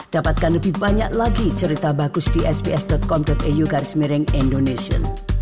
dapatkan lebih banyak lagi cerita bagus di sps com eu garis miring indonesia